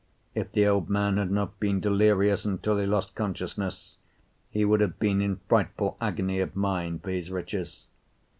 If the old man had not been delirious until he lost consciousness, he would have been in frightful agony of mind for his riches.